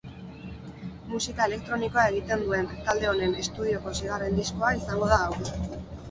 Musika elektronikoa egiten duen talde honen estudioko seigarren diskoa izango da hau.